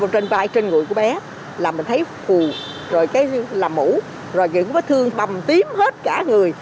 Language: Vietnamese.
trên vai trên người của bé là mình thấy phù rồi cái làm mũ rồi những vết thương bầm tím hết cả người